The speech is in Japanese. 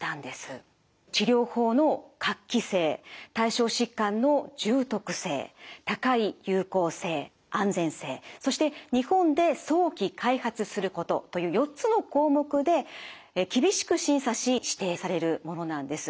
治療法の画期性対象疾患の重篤性高い有効性・安全性そして日本で早期開発することという４つの項目で厳しく審査し指定されるものなんです。